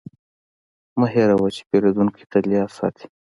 مه هېروه چې پیرودونکی تل یاد ساتي.